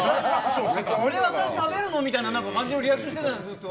これ、私、食べるのみたいな感じのリアクションしてたじゃん、ずっと！